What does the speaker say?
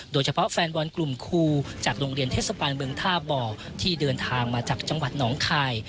โดยเฉพาะแฟนบอลกลุ่มครูจากโรงเรียนเทศบาลเมืองท่าบ่อที่เดินทางมาจากจังหวัดหนองคาย